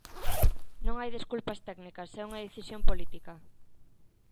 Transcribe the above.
Non hai desculpas técnicas, é unha decisión política.